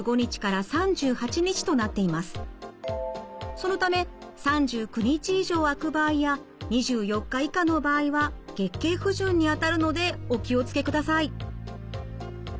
そのため３９日以上空く場合や２４日以下の場合は月経不順にあたるのでお気を付けください。